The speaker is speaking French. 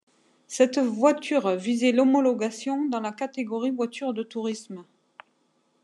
Cette voiture visait l'homologation dans la catégorie voitures de tourisme.